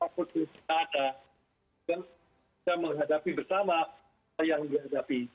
kita menghadapi bersama yang dihadapi